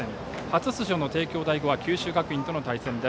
初出場の帝京第五は九州学院との対戦。